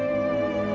saya udah nggak peduli